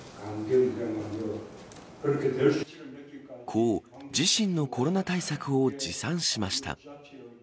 こう、自身のコロナ対策を自賛しました。